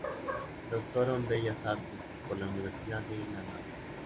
Doctora en Bellas Artes por la Universidad de Granada.